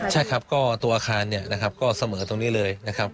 ใช่ครับก็ตัวอาคารเนี่ยนะครับก็เสมอตรงนี้เลยนะครับ